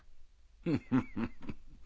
フフフ。